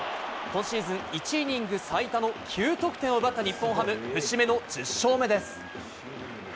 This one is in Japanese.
今シーズン１イニング最多の９得点を奪った日本ハム。節目の１０勝目です。